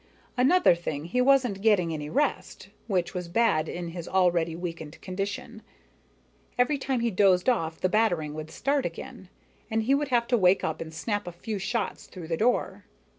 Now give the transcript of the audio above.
Another thing, he wasn't getting any rest, which was bad in his already weakened condition. Every time he dozed off the battering would start again, and he would have to wake up and snap a few shots through the door.